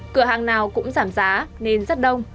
cửa hàng nào cũng giảm giá nên rất đông